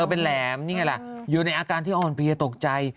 เป็นแหลมนี่ไงล่ะอยู่ในอาการที่อ่อนเพลียตกใจ